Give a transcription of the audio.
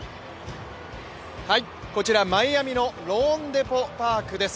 こちら、マイアミのローンデポ・パークです。